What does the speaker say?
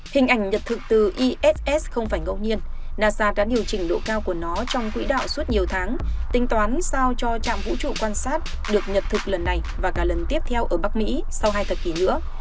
hình ảnh nhập thực từ iss không phải ngẫu nhiên nasa đã điều chỉnh độ cao của nó trong quỹ đạo suốt nhiều tháng tính toán sao cho trạm vũ trụ quan sát được nhật thực lần này và cả lần tiếp theo ở bắc mỹ sau hai thập kỷ nữa